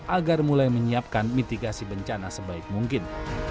agar mulai menyiapkan mitigasi bencana sebaik mungkin